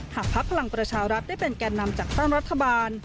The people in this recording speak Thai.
พักพลังประชารัฐได้เป็นแก่นำจัดตั้งรัฐบาล